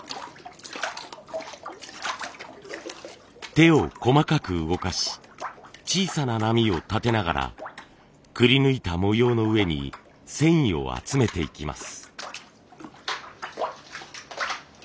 手を細かく動かし小さな波を立てながらくりぬいた模様の上に繊維を集めていきます。